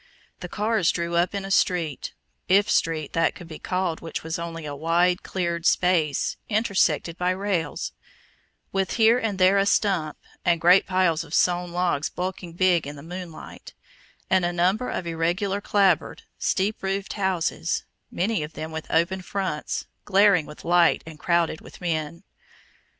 The cars drew up in a street if street that could be called which was only a wide, cleared space, intersected by rails, with here and there a stump, and great piles of sawn logs bulking big in the moonlight, and a number of irregular clap board, steep roofed houses, many of them with open fronts, glaring with light and crowded with men.